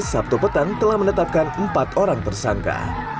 sabtu petang telah menetapkan empat orang tersangka